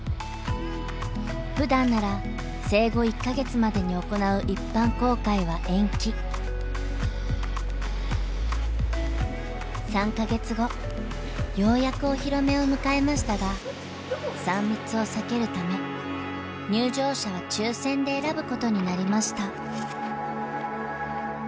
ふだんなら生後１か月までに行う３か月後ようやくお披露目を迎えましたが３密を避けるため入場者は抽選で選ぶことになりました。